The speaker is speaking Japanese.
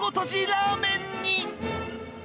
ラーメンに。